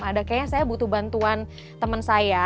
kayaknya saya butuh bantuan temen saya